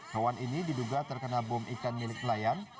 hewan ini diduga terkena bom ikan milik nelayan